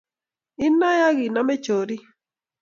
inae ak inamei chorik